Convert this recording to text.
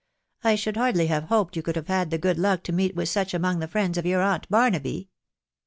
... I should hardly have hoped you could have had the good luck to meet with such among the friends of your aunt Barnaby."